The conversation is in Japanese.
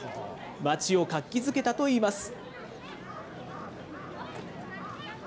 街を活気づけたといいます。